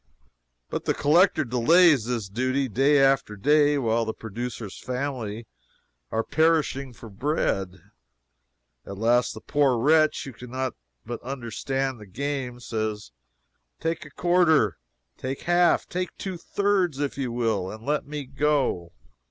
But the collector delays this duty day after day, while the producer's family are perishing for bread; at last the poor wretch, who can not but understand the game, says, "Take a quarter take half take two thirds if you will, and let me go!"